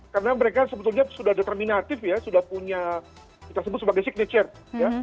karena mereka sebetulnya sudah determinatif sudah punya kita sebut sebagai signature